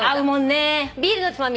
ビールのつまみですね。